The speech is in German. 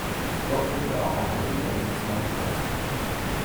Dort wurde er auch am Heiligen Dreikönigstag getauft.